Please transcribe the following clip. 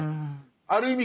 ある意味